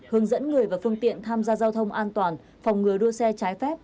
hướng dẫn người và phương tiện tham gia giao thông an toàn phòng ngừa đua xe trái phép